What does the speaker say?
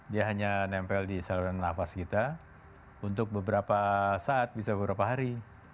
dia hanya nempel di saluran nafas kita untuk beberapa saat bisa beberapa hari